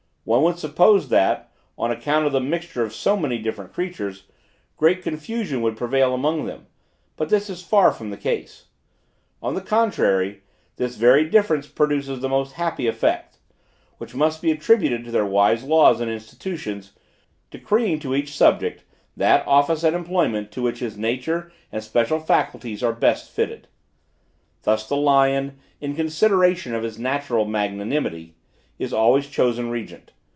One would suppose, that, on account of the mixture of so many different creatures, great confusion would prevail among them: but this is far from the case. On the contrary, this very difference produces the most happy effects; which must be attributed to their wise laws and institutions, decreeing to each subject that office and employment to which his nature and special faculties are best fitted. Thus, the lion, in consideration of his natural magnanimity, is always chosen regent.